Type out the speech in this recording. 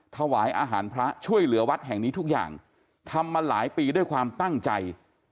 ถวายอาหารพระช่วยเหลือวัดแห่งนี้ทุกอย่างทำมาหลายปีด้วยความตั้งใจ